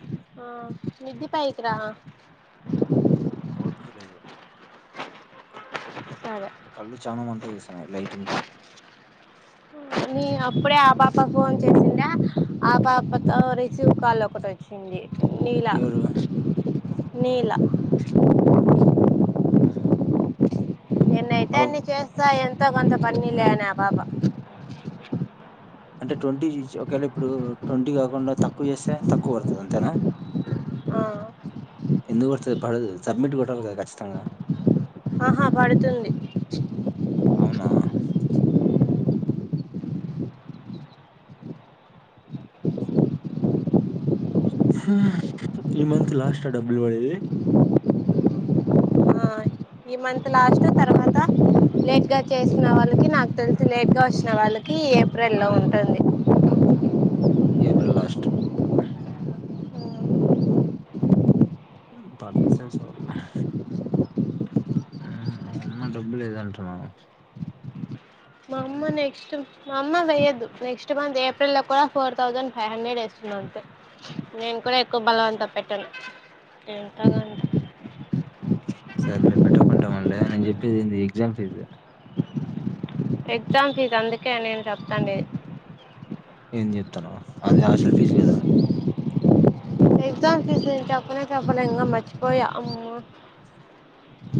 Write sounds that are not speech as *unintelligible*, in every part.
చెప్పు. ఆ మిద్ది పైకిరా ఓపిక లేదు సరే కళ్ళు చాలనా మంట చేస్తున్నాయి లైటింగ్ కు మీ అప్పుడే ఆ పాప ఫోన్ చేసిందా, ఆ పాపతో రిసీవ్ కాల్ ఒకటొచ్చింది. నీలా ఎవరు నీలా ఆ ఎనైతే అన్ని చేస్తా ఎమ్ తో కొంత పన్నీలే అని ఆ పాప అంటే ట్వంటీ ఒకేళ ఇప్పుడు ట్వంటీ కాకుండ తక్కువ జేస్సే తక్కువ వడతాది అంతేవా ఆ ఎందుకు పడ్తది పడదు సబ్మిట్ కొట్టాలి కదా ఖచ్చితంగా ఆహా పడుతుంది అవునా ఈ మంత్ లాస్టా డబ్బులు వడేది ఆ ఈ మంత్ లాస్ట్ తర్వాత లేట్ గా చేసిన వాళ్ళకి నాకు తెలిసి లేట్ గా వచ్చిన వాళ్ళకి ఏప్రిల్ లో ఉంటుంది. ఏప్రిల్ లాస్ట్ మ్మ్ పడ్తే సాల్లే మ్మ్ అమ్మా డబ్బు లేదంటన మా అమ్మ నెక్స్ట్ మా అమ్మ వెయ్యదు, నెక్స్ట్ మంత్ ఏప్రిల్లో కూడా ఫోర్ థౌజండ్ ఫైవ్ హండ్రెడ్ వేస్తుంది. అంతే నేను కూడా ఎక్కువ బలవంత పెట్టను ఎంతో గొంత. సర్లే పెట్టకుంటే మనిలే నేను చెప్పేదేంది ఎగ్జామ్ ఫీజు ఎగ్జామ్ ఫీజు అందుకే నేను చెప్తాండేది ఏం చెప్తాను అది హాస్టల్ ఫీజు కదా ఎగ్జామ్స్ ఫీజు నేను చెప్పనే చెప్పలే ఇంగ మర్చిపోయా అమ్మ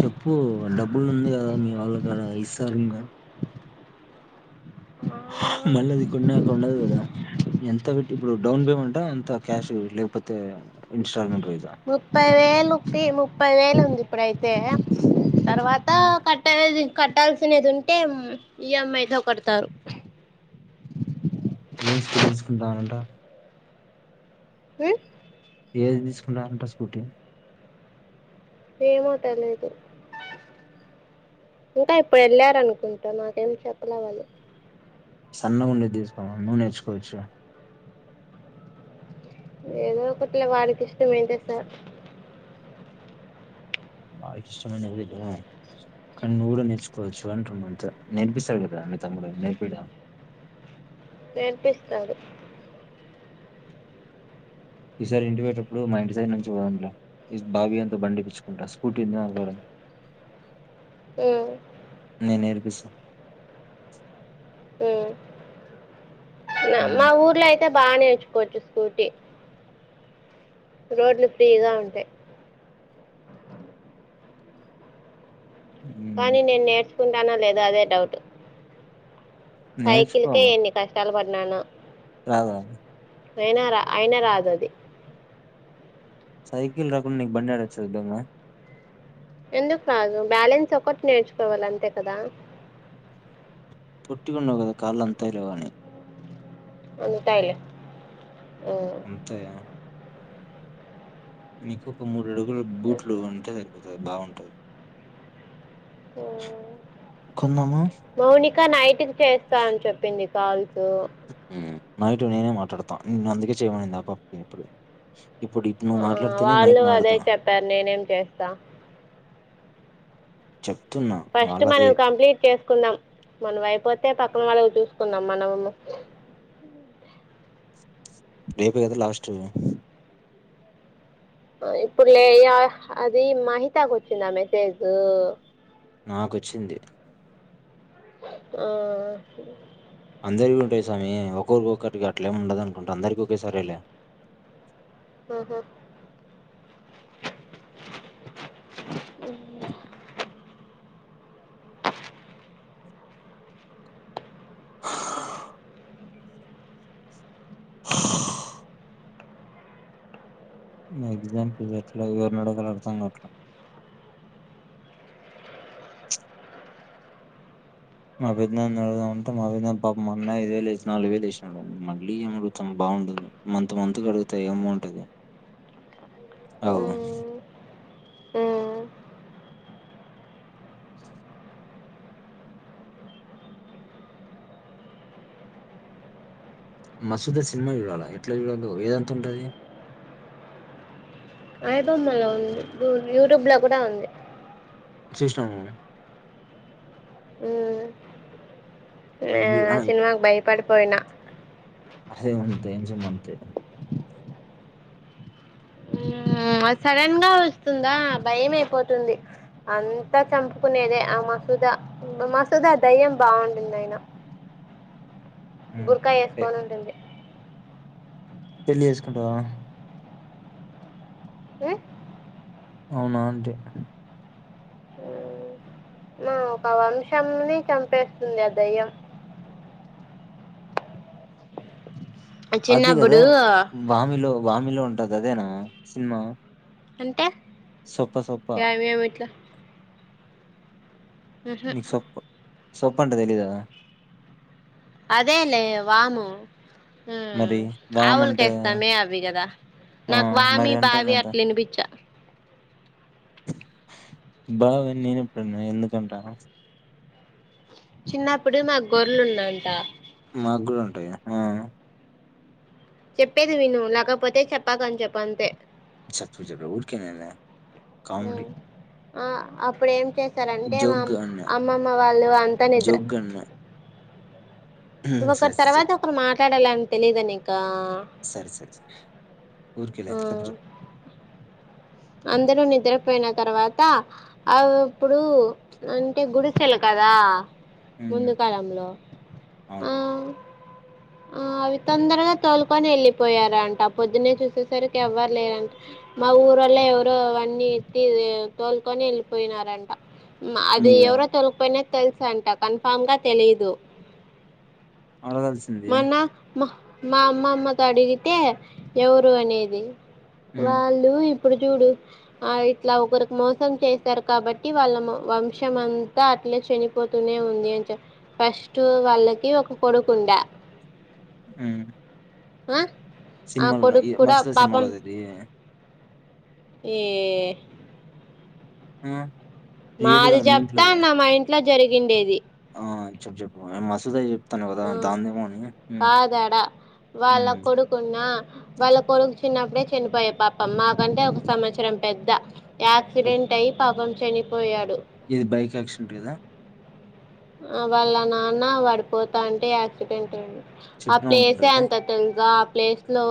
చెప్పు డబ్బులు ఉంది కదా మీ వాళ్ళ కాడ ఇస్తారు ఇంకా మళ్ళీ అది కొన్నాక ఉండదు కదా ఎంత పెట్టి ఇప్పుడు డౌన్ పేమెంట్ ఆ అంత క్యాష్ లేకపోతే ఇన్స్టాల్ మెంట్ ముప్పై వేలు ఫీ ముప్పై వేలు ఉంది ఇప్పుడైతే తర్వాత ఉమ్. కట్ట అయ్యేది కట్టాల్సినది ఉంటే ఈఎంఐతో కడతారు ఏం స్కూట్ తీసుకుంటానంట హ ఏది తీసుకుంటారంట స్కూటీ ఏమో తెలేదు ఇంకా ఇప్పుడు వెళ్ళారనుకుంటా నాకేం చెప్పలే వాళు సన్నగాండేది తీసుకోమ నూ నేర్చుకోవచ్చు ఏదో ఒకట్లే వాడికి ఇష్టమైంటే సాల్ వాడికి ఇష్టమైన దగ్గర కానీ నువ్వు కూడా నేర్చుకోవచ్చు అంటున్నా అంతే నేర్పిస్తారు కదా మీ తమ్ముడు నేర్పిడా. నేర్పిస్తాడు ఈసారి ఇంటి వోయేటప్పుడు మా ఇంటి సైడ్ నుంచి పోదాం లే ఈ బాబిగాని తో బండి ఇప్పిచ్చుకుంటా స్కూటీ ఉందా వాని కాడ, ఉమ్, నే నేర్పిస్స హ నా ఉమ్. మా ఊర్లో అయితే బాణే వచ్చిపోచ్చు స్కూటీ రోడ్లు ఫ్రీగా ఉంటాయి ఉమ్. కానీ నిన్నే సుకుంటానో లేదో అదే డౌట్ సైకిల్ కే ఎన్ని కష్టాలు పడ్ న్నాను రాద అయినా రా అయిన రాదు అది సైకిల్ రాకుండా నీకు బండి అడచ్చదుంగా ఎందుకు రాదు బ్యాలెన్స్ ఒకటి నేర్చుకోవాల అంతే కదా పోట్టి ఉండవు కదా కాళ్ళంతాయో లేవో అని అందుతయిలే అంతయ మీకు కొముడ్ నువ్వు గూడ బూట్లు కొంటే సరిపోతాది టే బాగుంటది కొందామా మౌని ఇంకా నైట్ క చేస్తా అని చెప్పింది పిన్నీ కాల్స్ అ నైటు నేనే మాట్లాడతాను నేను అందుకే చేయమడిందిబ్బా ఇప్పుడు ఇప్పుడు ఇప్పుడు నువ్వు ఆ మాట్లాడితేనే నైట్ వాళ్ళు అదే మాట్లాడతా చెప్పారు నేనేం చేస్తా చెప్తున్నా ఫస్ట్ వాళ్ళది మనం కంప్లీట్ చేసుకుందాం మనం అయిపోతే పక్క క్క వాళ్ళ చూసుకుందాం మనము రేపుకిదా లాస్ట్ ఇప్పుడు లే అది మహితాకి వచ్చిందా మెసేజ్ నాకొచ్చింది ఆ అందరివుంటాయి స్వామి ఒక్కొక్కరికొక్కోటిగా అట్లేమి ఉండదు అనుకుంట అందరికిీ ఒకేసారే లే ఓహో హ ఎగ్జాంపుల్గా ఎట్లా ఎవర్నడగాలో అర్ధం గాట్లే మా పెదనాన్ని అడుగుదాం అంటే మా పెదనాన పాపం మొన్నే ఐదు వేలు వేసిన నాలుగు వేలు వేసినాడు మళ్ళీ ఏం అడుగుతాం బాగుండదు మంత్ మంత్కు అడుగుతే ఏంబావుంటది అవ్ మ్మ్ మ్మ్ మసూద సిన్మా చూడాల ఎట్లా చూడదో ఏదంతా ఉంటుది ఐబొమ్మలో ఉంది యూట్యూబ్ లో గుడా ఉంది సిస్టమ్ ఈ యే యు ఆ సినిమాగ్ భయం పడిపోయిన అదే అంత ఏంచే అంతే ఆ సడన్ గా వస్తుందా భయమే పోతుంది అంతా చంపుకునేదే ఆ మసూదా మసూదా దయ్యం బాగుంటుందయినా హ్మ్. భూర్కా ఎ యేస్కొని ఉంటుంది పెళ్లి జేసుకుంటావా హు అవునా అంతే మ్మ్ మా ఒక వంశంనే చంపేస్తుంది ఆ దయ్యం అదే గదా! చిన్నబ్బుడు 'వామిలో' వామిలో ఉంటదదేనా సిన్మా అంటే యా మేమిట్లా ఉహు నిసప్ప సొప్పంటే తెలీదా అదేలే వాము ఉమ్ మరి వామ్ అంటే ఆవులికేస్తామే అవి కదా ఆ! నాక్ వామి మరి అంటే బావి ఏందంట? అట్ల వినిపించ బావ నీనప్పుడన్న ఎందుకంటాను చిన్నప్పుడు మాక్ గోర్లు ఉన్నాఅంట మాగూడుంటాయి ఆ చెప్పేది విను లకపోతే చెప్పాకని చెప్పఅంతే చెప్పు చెప్ప ఊరికెనేనే ఉమ్ ఆ అప్పుడేంచే సర్ అంటే మామ్ జోక్‌గా అన్నా. అమ్మమ్మ వాళ్ళు అంతా నిద్ర జోక్‌గా అన్నా. సరే ఒకరు సరే చెప్పు. తర్వాత ఒకరు మాట్ టాడాలని తెలీదా నీక సరే సరే వూరికేలే చెప్పు ఆ చెప్పు అందరూ నిద్రపోయిన తర్వాత అవ్ ఇప్పుడు అంటే గుడికెలు కదా హ్మ్ ముందు కాలంలో ఆ అవును ఆ అవి తొందరగా తోలుకొని వెళ్ళిపోయారంట పొద్దునే చూసేసరికి ఎవ్వరు లేరంట మా ఊరొ ల్లే ఎవరో అవన్నీ ఎత్తి తోలుకొని ఎళ్ళిపోయినారంట ఉమ్ అది మీవా ఎవరో తొలకపోయిన తెలుసు అంట కన్ఫర్మ్ గా తెలీదు అడగాల్సింది మొన్న మా మా అమ్మమ్మతో అడిగితే ఎవరు అనేది హ్మ్ వాళ్ళు ఇప్ ప్పుడు చూడు ఆ ఇట్ల ఒకరుకు మోసం చేశారు కాబట్టి వాళ్ళ వంశం అంతా అట్లే చనిపోతూనే ఉంది అని చె ఫస్ట్ వాళ్ళకి ఒక కొడుకుండా మ్మ్ అ సినిమాలోన ఈ మస్త్ సినిమాలోదా ఇది ఏ హ్మ్ మాది చెప్తా అన్న మా ఇంట్లో జరిగిండేది ఆ చెప్పు చెప్పు ఆ మసూద చెప్ ఉమ్ కాదాడ వాళ్ళ హ్మ్ కొడుకున్నా వాళ్ళ కొడుకు చిన్నప్పుడే చనిపోయ పాపం మాకంటే ఒక సంవత్సరం పెద్ద యాక్సిడెంట్ అయి పాపం చెనిపోయాడ్ ఇది బైక్ యాక్సిడెంట్ కదా ఆ వాళ్ళ నాన్న వాడు పోతా ఉంటే యాక్సిడెంట్ అయింది ఆ చెప్పినావు అనుకుంటా ప్లేసే కదా అంత తెల్సా ప్లేస్ లో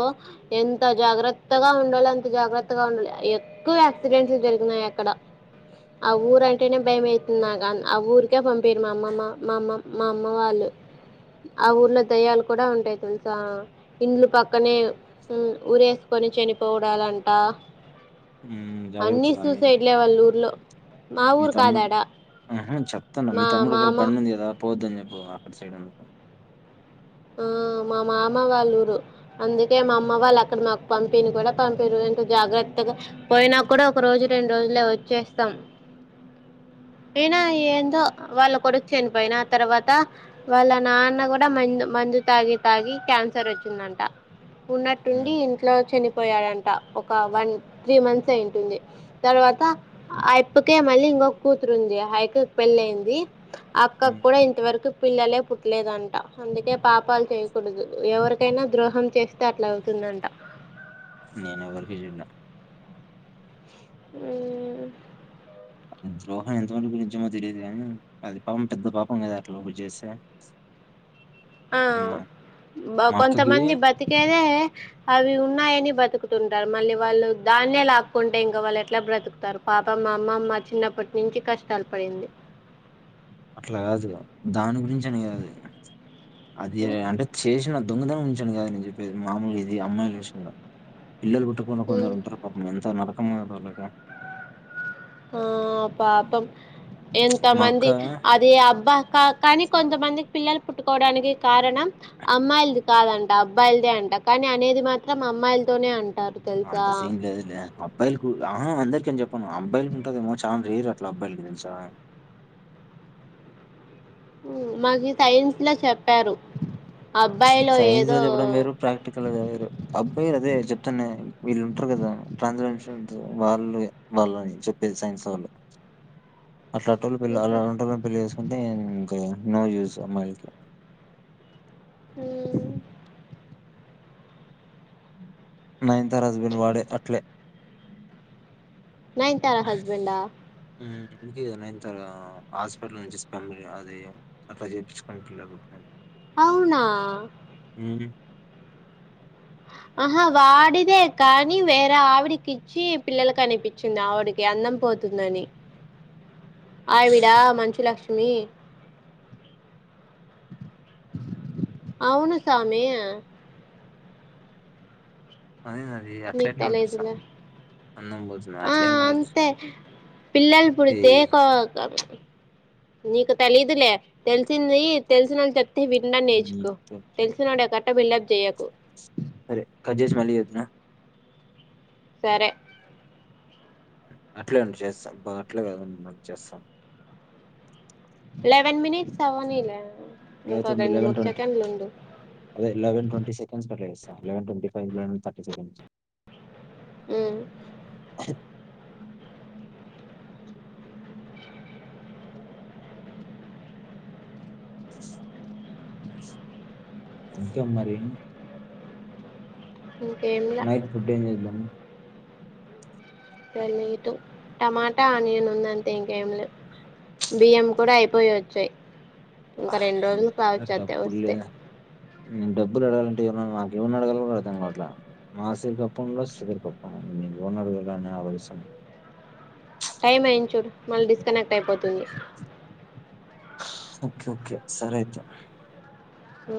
ఎంత జాగ్రత్తగా ఉండాలో అంత జాగ్రత్తగా ఉండాలి ఎక్కువ యాక్సిడెంట్ లు జరిగినాయి అక్కడ ఆ ఊరు అంటేనే భయం ఐతుంది నాకు ఆ ఊరికే పమ్ పంపి పీరు మా అమ్మమ్మ మా అమ్మ మా అమ్మ వాళ్ళు ఆ ఊర్లో దయ్యాలు కూడా ఉంటాయి తెలుసా ఇండ్లు పక్కనే ఉమ్ ఊరేసుకొని చనిపోవడాలంట హ్మ్ జాగ్రత్త అన్నీ స్వామి సూసైడ్లే వాళ్ళూర్లో మా మీ ఊరు తమ్ముడు కాదాడ ఆహా! చెప్తాను మీ మా తముడు ఒకేళ మామ బండుంది కదా పోవద్దని చెప్ ప్పు అక్కడ సైడ్ అందుకు ఆ మా మామ వాళ్ళూరు అందుకే మా అమ్మ వాళ్ళు అక్కడ మాకు పంపిని కూడా పంపీరు ఎంత జాగ్రత్తగా పోయినా కూడా ఒక రోజు రెండు రోజులే వచ్చేస్తాం అయినా ఏందో వాళ్ళ కొడుకు చనిపోయెనా తర్వాత వాళ్ళ నాన్న కూడా మంజం మందు తాగి తాగి క్యాన్సర్ వచ్చిందంట ఉన్నట్టుండి హ్మ్ ఇంట్లో చనిపో పోయాడంట ఒక వన్ త్రీ మంత్స్ అయింటుంది తర్వాత అయిప్పకే మళ్ళీ ఇంకొక కూతురుంది అయాక పెళ్ళ అయింది అక్క హ్మ్ కూడా ఇంతవరకు పిల్లలే పుట్టలేదంట అందుకే పాపాలు చేయకూడదు ఎవరికైనా ద్రోహం చేస్తే అట్లా అవుతుందంట నేను వర్జి జి నా హు ద్రోహం ఎంతవరకు నిజమో తెలీయదు కానీ అది పాపం పెద్ద పాపం కదా అట్లా పొయి చేస్తే ఆ మా బ మా అక్కకి కొంతమంది బతికేదే అవి ఉన్నాయని బతుకు కుతుంటారు మళ్ళీ వాళ్ళు దాన్నే లాక్కుంటే ఇంక వాళ్ళు ఎట్ల బ్రతుకుతారు పాపమ్ మా అమ్మమ్మ చిన్నప్పటి నుంచి కష్టాలు పడింది అట్లా కాదు దాని గురించి అని కాదు అది అంటే చేసిన దొంగతనం గురించి అని కదా నేను చెప్పేది మామూలు ఇది అమ్మాయిల విషయం లో పిల్లలు పుట్టకుండా కొందరు ఉంటారు పాపం ఎంత నరకం మా తాలూకా ఆ పాపం ఎంత మా అక్క మంది అదే అబ్ బ కానీ చిన్న- కొంతమందికి పిల్లలు పుట్టుకోవడానికి కారణం అమ్మాయిలది కాదంట అబ్బాయిలదే అంట కానీ అనేది మాత్రం అమ్మాయిలతోనే అంట అంత సీన్ లేదులే అబ్బాయిలు ఆ అందరికని చెప్పాను అబ్బాయిలు ఉంటదేమో చానా రేర్ అట్లా అబ్బాయిలకి తెలుసా మాకు సైన్స్ లో చెప్పారు అబ్బాయిలో సైన్స్ లో ఏదో చెప్పడం వేరు ప్రాక్టికల్ వేరు అబ్బాయిలు అదే చెప్తన వీళ్ళు ఉంటారు కదా వాళ్ళు వాళ్ళని చెప్పేది సైన్స్ వళ్ళు అట్లా వాళ్ళ పెళ్ల్ అల ఉంటదని పెళ్లి చేసుకుంటే ఇంకా నో యూస్ అమాయిల కి హూ నినే తరువాత బీన్ వాడే అట్లే నయనతార హస్బెండా అందుకే నే హాస్పిటల్ నుంచి స్పెమ్ అది అట్లా చేపిచ్చుకుని పిల్లలు అవునా అ ఆహా వాడిదే కానీ వేరే ఆవిడికి ఇచ్చి పిల్లలకి క నిపిచింది ఆవిడికి అందం పోతుందని ఆవిడా మంచు లక్ష్మి అవును స్వామి అదే అది నీ అట్లా ఎట్లా ఉంటది తలేదుల సామి అందం పోతుంది ఆ అట్లేం కాదు అంతే పిల్లలు ఈ పుడితే కా నీకు తేలిదులే తెల్సింది ఈ తెల్సినల్ చె వినడం నేర్చుకో హ్మ్. తెలుసు నొడే *unintelligible* బిల్డ్ అప్ చెయ్యాకు సరే కట్ చేసి మళ్ళీ ఎత్తనా సరే అట్లే ఉండు చేస్తా బా *unintelligible* లెవెన్ మినిట్స్ అవన్నీ లే *unintelligible* అదే లేవెన్ ట్వంటి సెకండ్స్ మళ్ళీ చేస్తా eleven twenty five minutes, thirty seconds హమ్ అంతే మరి ఇంకేంలా నైట్ ఫుడ్ ఏం చేస్తాము సరి మత టమాటా ఆనియన్ ఉందంతే ఇంకేం లే బియ్యం కూడా అయిపోయి వచ్చాయి ఇంకా రెండు రోజులు కావచ్చు అత్తె డబ్బులు వస్తే లే నేను డబ్బులు అడిగాలంటే నాకు ఎవన్ని అడగాలో అర్థం కావట్లే *unintelligible* టైమ్ అయ్యింది. చూడు మళ్ళీ డిస్క్ కానెక్ట్ అయిపోతుంది. ఓకే ఓకే సరే అయితే